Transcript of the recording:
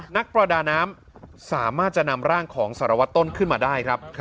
นักประดาน้ำสามารถจะนำร่างของสารวัตรต้นขึ้นมาได้ครับ